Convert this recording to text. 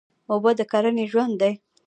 اوبه د کرنې ژوند دی.